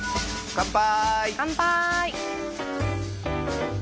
乾杯！